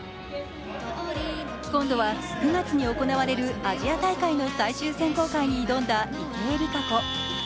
今度は９月に行われるアジア大会の最終選考会に挑んだ池江璃花子。